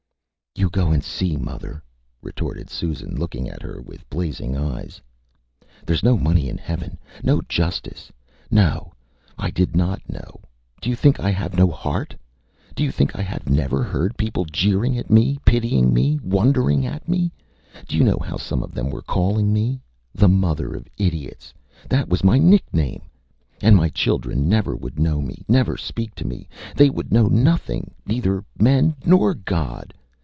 ÂYou go and see, mother,Â retorted Susan, looking at her with blazing eyes. ÂThereÂs no money in heaven no justice. No! ... I did not know. ... Do you think I have no heart? Do you think I have never heard people jeering at me, pitying me, wondering at me? Do you know how some of them were calling me? The mother of idiots that was my nickname! And my children never would know me, never speak to me. They would know nothing; neither men nor God.